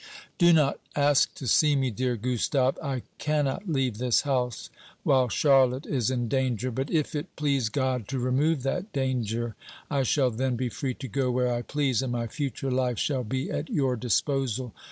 "Do not ask to see me, dear Gustave. I cannot leave this house while Charlotte is in danger; but if it please God to remove that danger, I shall then be free to go where I please, and my future life shall be at your disposal.